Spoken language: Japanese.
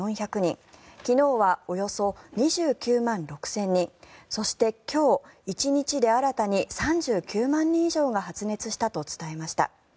昨日はおよそ２９万６０００人そして、今日１日で新たに３９万人以上が発熱したと伝えました。